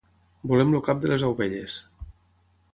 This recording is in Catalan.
Volem el cap de les ovelles.